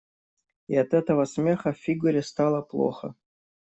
И от этого смеха Фигуре стало плохо.